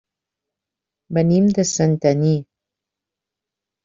Venim de Santanyí.